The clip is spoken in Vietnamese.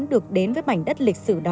được đến với mảnh đất lịch sử đó